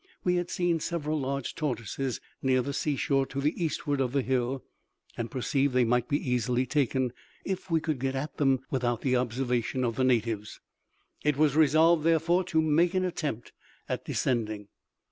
We had seen several large tortoises near the seashore to the eastward of the hill, and perceived they might be easily taken, if we could get at them without the observation of the natives. It was resolved, therefore, to make an attempt at descending.